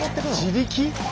自力？